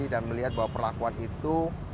dan melihat bahwa perlakuan itu